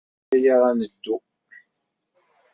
Yeǧǧa-aɣ ad neddu.